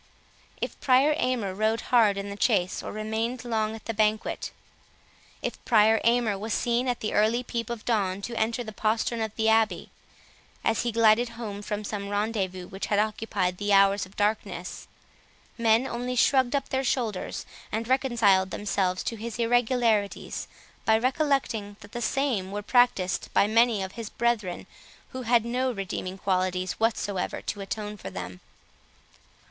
If Prior Aymer rode hard in the chase, or remained long at the banquet,—if Prior Aymer was seen, at the early peep of dawn, to enter the postern of the abbey, as he glided home from some rendezvous which had occupied the hours of darkness, men only shrugged up their shoulders, and reconciled themselves to his irregularities, by recollecting that the same were practised by many of his brethren who had no redeeming qualities whatsoever to atone for them.